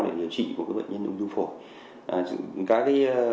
để điều trị của bệnh nhân ung thư phổi